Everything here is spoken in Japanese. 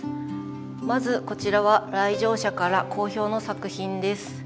まずこちらは来場者から好評の作品です。